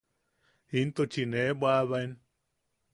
Intuchi nee bwaʼabaen.